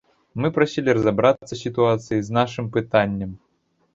Мы прасілі разабрацца з сітуацыяй, з нашым пытаннем.